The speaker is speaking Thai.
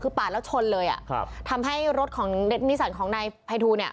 คือปาดแล้วชนเลยอ่ะครับทำให้รถของเด็ดนิสันของนายภัยทูลเนี่ย